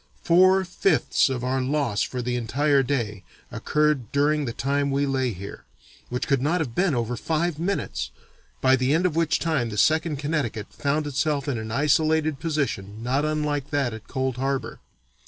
Four fifths of our loss for the entire day occurred during the time we lay here, which could not have been over five minutes, by the end of which time the Second Connecticut found itself in an isolated position not unlike that at Cold Harbor.